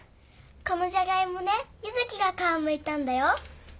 このジャガイモね柚希が皮むいたんだよ。